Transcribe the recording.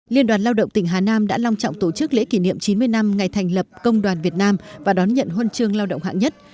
liên đoàn lao động tỉnh hà nam đã long trọng tổ chức lễ kỷ niệm chín mươi năm ngày thành lập công đoàn việt nam và đón nhận huân chương lao động hạng nhất